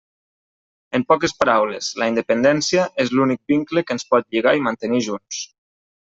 En poques paraules, la independència és l'únic vincle que ens pot lligar i mantenir junts.